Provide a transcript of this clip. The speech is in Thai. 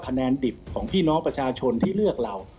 แนนดิบของพี่น้องประชาชนที่เลือกเรา